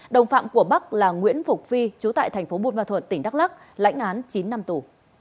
đồng phạm của bắc là nguyễn phục phi chú tại thành phố buôn ma thuật tỉnh đắk lắc lãnh án chín năm tù